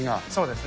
そうですね。